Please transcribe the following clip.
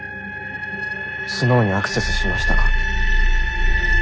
スノウにアクセスしましたか？